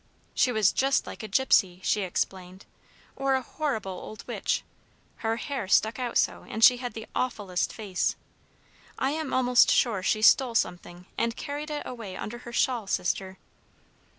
"She was just like a gypsy," she explained, "or a horrible old witch. Her hair stuck out so, and she had the awfullest face! I am almost sure she stole something, and carried it away under her shawl, sister."